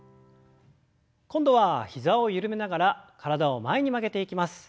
今度は膝を緩めながら体を前に曲げていきます。